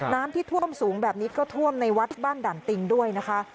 น้ำที่ท่วมสูงแบบนี้ก็ท่วมในวัดบ้านด่านติงด้วยนะคะ